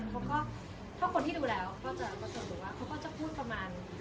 เค้าก็ถ้าคนที่ดูแล้วเค้าก็จะรู้ว่าเค้าก็จะพูดประมาณ